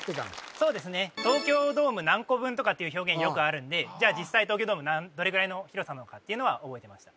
そうですね「東京ドーム○個分」とかっていう表現よくあるんで実際東京ドームどれぐらいの広さなのかというのは覚えてました